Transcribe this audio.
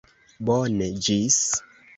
Bone, ĝis